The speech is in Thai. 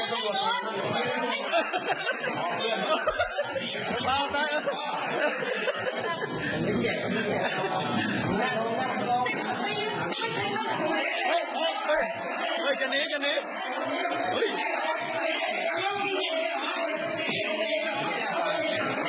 ขอบคุณครับ